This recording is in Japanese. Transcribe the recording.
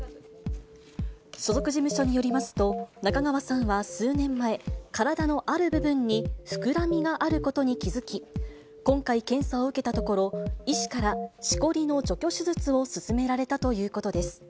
所属事務所によりますと、中川さんは数年前、体のある部分に膨らみがあることに気付き、今回、検査を受けたところ、医師からしこりの除去手術を勧められたということです。